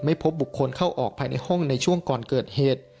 พบบุคคลเข้าออกภายในห้องในช่วงก่อนเกิดเหตุ